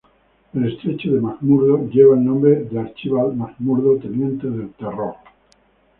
El estrecho de McMurdo lleva el nombre de Archibald McMurdo, teniente del "Terror".